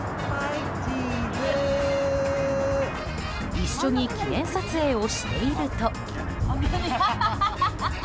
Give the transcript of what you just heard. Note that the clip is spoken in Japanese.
一緒に記念撮影をしていると。